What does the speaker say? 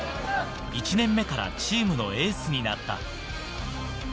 １年目からチームのエースになった。